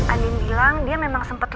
andin bilang dia memang sempat lihat